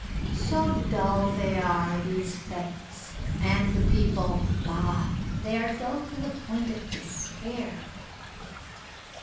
"So dull they are, these fêtes, and the people bah! They are dull to the point of despair."